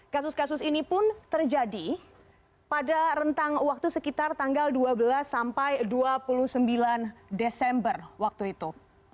kasus kasus ini pun terjadi pada rentang waktu sekitar tanggal dua belas sampai dua puluh sembilan desember waktu itu